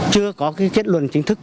chưa có kết luận chính thức